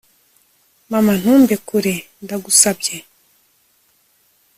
mana, ntumbe kure, ndagusabye